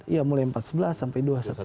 ya mulai empat belas sebelas sampai dua dua belas